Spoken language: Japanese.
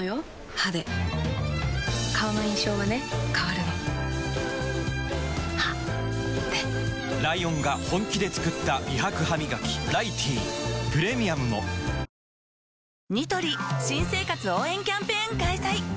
歯で顔の印象はね変わるの歯でライオンが本気で作った美白ハミガキ「ライティー」プレミアムも恋人同士となりその絆を深めていく鈴と一星